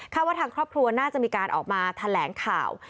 ว่าทางครอบครัวน่าจะมีการออกมาแถลงข่าว